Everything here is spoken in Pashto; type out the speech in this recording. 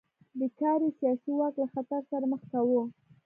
دې کار یې سیاسي واک له خطر سره مخ کاوه.